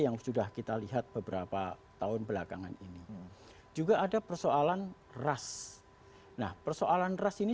yang sudah kita lihat beberapa tahun belakangan ini juga ada persoalan ras nah persoalan ras ini